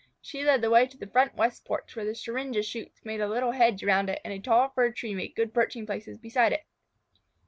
She led the way to the front west porch, where the syringa shoots made a little hedge around it and a tall fir tree made good perching places beside it.